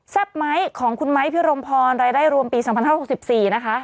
ทรัพย์ไม้ของคุณไม้พี่รมพรรายได้รวมปี๒๕๖๔นะคะ